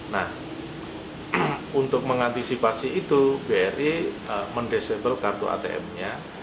nah untuk mengantisipasi itu bri mendisable kartu atmnya